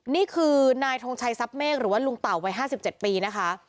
นี่คือนายทงชัยทรัพย์เมฆหรือว่าลุงเต่าวัย๕๗ปีนะคะ